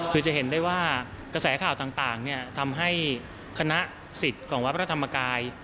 คือจะเห็นได้ว่ากระแสข่าวต่างทำให้คณะสิทธิ์ของวัดพระธรรมกาย